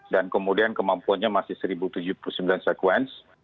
dan kemudian kemampuannya masih seribu tujuh puluh sembilan sekuens